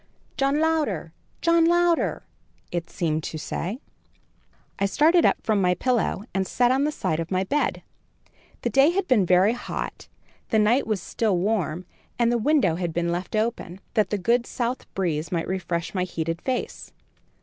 "'John Louder! John Louder!' it seemed to say. "I started up from my pillow and sat on the side of my bed. The day had been very hot, the night was still warm, and the window had been left open, that the good south breeze might refresh my heated face.